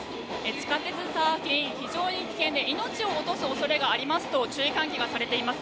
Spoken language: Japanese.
地下鉄サーフィン、非常に危険で命を落とすことがありますと注意喚起がされています。